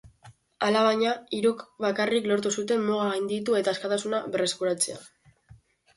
Alabaina, hiruk bakarrik lortu zuten muga gainditu eta askatasuna berreskuratzea.